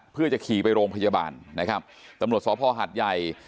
เพื่อจะขี่ไปโรงพยาบาลนะครับตำลดศพฮัตไย